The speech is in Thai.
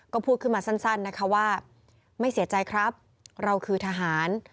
ก็พูดขึ้นมาสั้นนะคะว่าไม่เสียใจครับเราคือทหาร